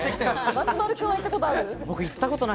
松丸君は行ったことある？